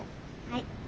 はい。